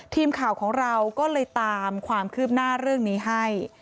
ทีมข่าวของเราก็เลยตามความคืบหน้าเรื่องนี้ให้